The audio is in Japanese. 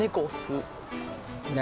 何？